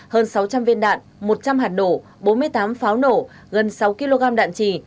hơn sáu trăm linh viên đạn một trăm linh hạt nổ bốn mươi tám pháo nổ gần sáu kg đạn trì